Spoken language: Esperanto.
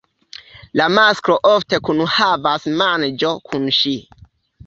La masklo ofte kunhavas manĝon kun ŝi.